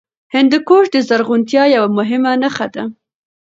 هندوکش د زرغونتیا یوه مهمه نښه ده.